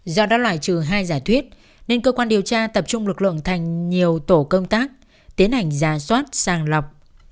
do đã loại trừ hai giả thuyết nên cơ quan điều tra tập trung lực lượng thành nhiều tổ công tác tiến hành giả soát sàng lọc